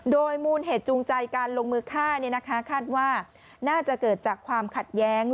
โดยมูลเหตุจูงใจการลงมือฆ่าคาดว่าน่าจะเกิดจากความขัดแย้ง